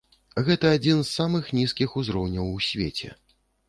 Гэта адзін з самых нізкіх узроўняў у свеце.